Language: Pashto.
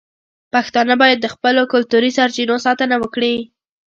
پښتانه باید د خپلو کلتوري سرچینو ساتنه وکړي.